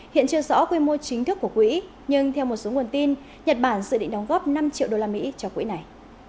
hiện chưa rõ quy mô chính thức của quỹ nhưng theo một số nguồn tin nhật bản dự định đóng góp năm triệu đô la mỹ cho quỹ này